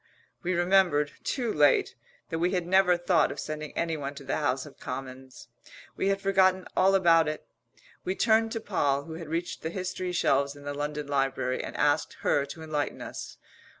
We remembered, too late, that we had never thought of sending anyone to the House of Commons. We had forgotten all about it. We turned to Poll, who had reached the history shelves in the London Library, and asked her to enlighten us.